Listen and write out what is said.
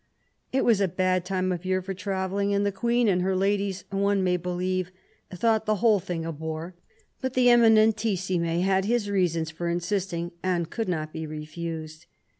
It was a bad time of year for travelling, and the Queen and her ladies, one may believe, thought the whole thing a bore ; but the Eminentissime had his reasons for insisting, and could not be refused.